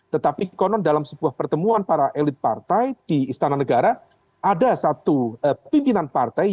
tetapi konon dalam sebuah pertemuan para elit partai di istana negara ada satu pimpinan partai yang mengatakan apa kemudian untungnya kalo demokrat ada di sini